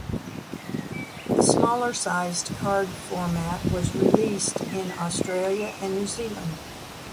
A smaller-sized card format was released in Australia and New Zealand.